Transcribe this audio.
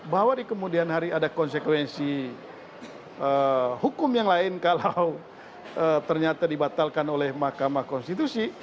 bahwa di kemudian hari ada konsekuensi hukum yang lain kalau ternyata dibatalkan oleh mahkamah konstitusi